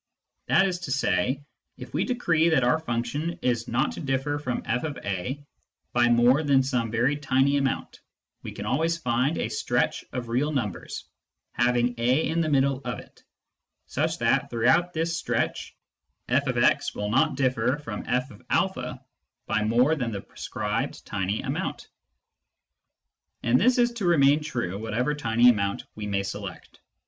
That is to say, if we decree that our function is not to differ from fa by more than some very tiny amount, we can always find a stretch of real numbers, having a in the middle of it, such that throughout this stretch fx will not differ from fa by more than the pre scribed tiny amount. And this is to remain true whatever tiny amount we may select.